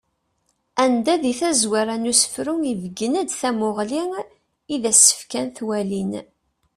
Anda di tazwara n usefru ibeggen-d tamuɣli i d-as-fkan twalin.